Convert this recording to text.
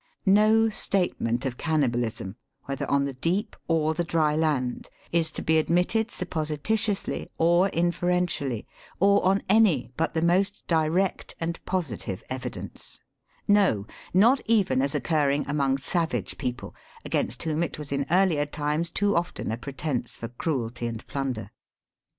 No statement of cannibalism, whether on the deep or the dry land, is to be admitted supposititiously, or iuferentially, or on any but the most direct and positive evidence : no, not even as occurring among savage people, against whom it was in earlier times too often a pretence for cruelty and plunder.